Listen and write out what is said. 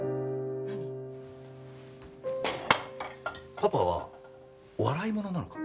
パパは笑い物なのか？